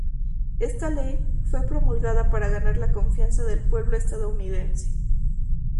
Esta ley fue promulgada para ganar la confianza del pueblo estadounidense.